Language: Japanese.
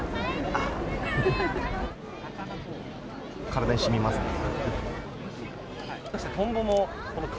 体に染みますね。